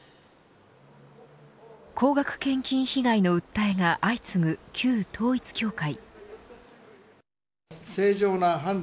高額献金被害の訴えが相次ぐ旧統一教会。